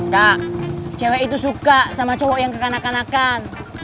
kak cewek itu suka sama cowok yang kekanakanakan